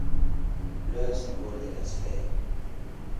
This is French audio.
Leur symbole est la sphère.